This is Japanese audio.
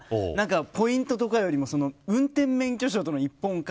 ポイントとかよりも運転免許証との一本化